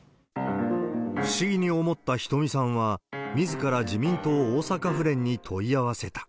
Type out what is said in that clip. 不思議に思ったヒトミさんは、みずから自民党大阪府連に問い合わせた。